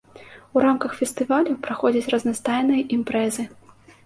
У рамках фестывалю праходзяць разнастайныя імпрэзы.